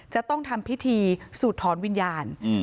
จะต้องทำพิธีสูดถอนวิญญาณ